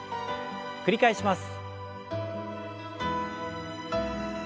繰り返します。